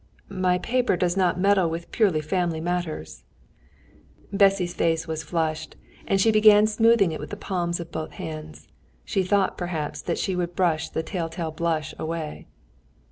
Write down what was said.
"My paper does not meddle with purely family matters." Bessy's face was flushed, and she began smoothing it with the palms of both hands; she thought, perhaps, that she would brush the tell tale blush away.